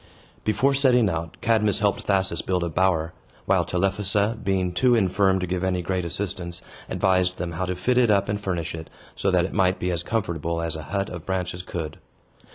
Before setting out, Cadmus helped Thasus build a bower; while Telephassa, being too infirm to give any great assistance, advised them how to fit it up and furnish it, so that it might be as comfortable as a hut of branches could.